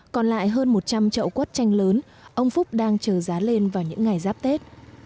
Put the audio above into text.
còn lại hơn một trăm linh trậu quất tranh lớn ông phúc đang chờ giá lên vào những ngày giáp tết